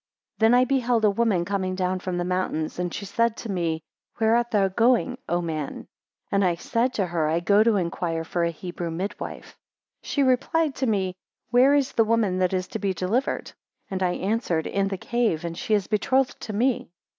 THEN I beheld a woman coming down from the mountains, and she said to me, Where art thou going, O man? 2 And I said to her, I go to enquire for a Hebrew midwife. 3 She replied to me, Where is the woman that is to be delivered? 4 And I answered, In the cave, and she is betrothed to me.